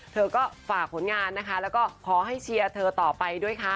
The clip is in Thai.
เธอก็ฝากผลงานนะคะแล้วก็ขอให้เชียร์เธอต่อไปด้วยค่ะ